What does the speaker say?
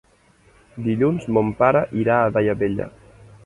Dilluns mon pare irà a Daia Vella.